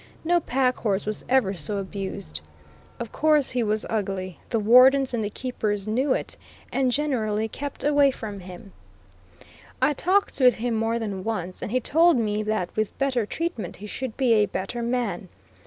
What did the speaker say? No pack horse was ever so abused. Of course he was ugly; the wardens and the keepers knew it, and generally kept away from him. I talked with him more than once, and he told me that with better treatment he should be a better man.